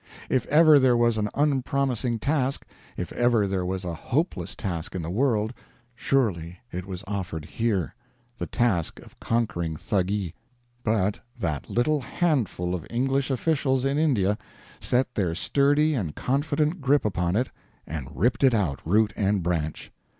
If ever there was an unpromising task, if ever there was a hopeless task in the world, surely it was offered here the task of conquering Thuggee. But that little handful of English officials in India set their sturdy and confident grip upon it, and ripped it out, root and branch!